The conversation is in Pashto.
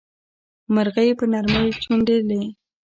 مرغۍ په نرمۍ چوڼيدلې.